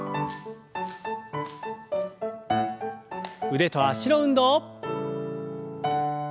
腕と脚の運動。